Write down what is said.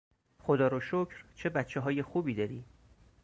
خدا را شکر چه بچههای خوبی داری!